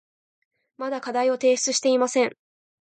まだ課題を提出していません。